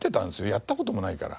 やった事もないから。